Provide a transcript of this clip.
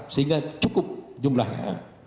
sehingga cukup jumlahnya